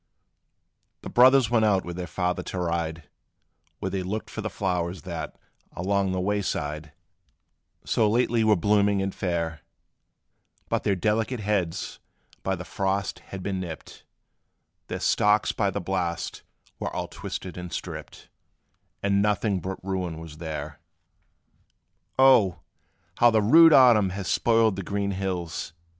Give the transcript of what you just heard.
The brothers went out with their father to ride, Where they looked for the flowers, that, along the way side, So lately were blooming and fair; But their delicate heads by the frost had been nipped; Their stalks by the blast were all twisted and stripped; And nothing but ruin was there. "Oh! how the rude autumn has spoiled the green hills!"